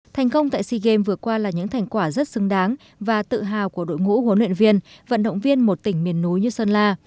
thành công tại sea games vừa qua là những thành quả rất xứng đáng và tự hào của đội ngũ huấn luyện viên vận động viên một tỉnh miền núi như sơn la